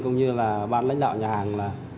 cũng như ban lãnh đạo nhà hàng